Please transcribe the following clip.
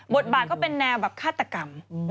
บทบาทก็เป็นแนวแบบฆาตกรรม